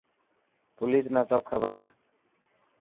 پوليس نا سب کبر هي.